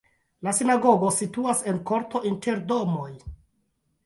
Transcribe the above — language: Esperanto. La sinagogo situas en korto inter domoj.